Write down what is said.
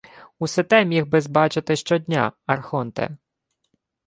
— Усе те міг би-с бачити щодня, архонте...